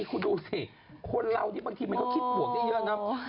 คุณดูสิคนเรานี่บางทีมันก็คิดบวกได้เยอะนะ